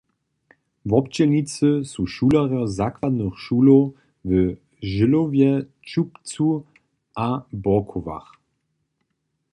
Wobdźělnicy su šulerjo zakładnych šulow w Žylowje, Tšupcu a Bórkowach.